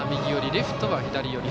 レフトは左寄り。